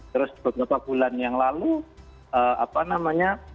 terus beberapa bulan yang lalu apa namanya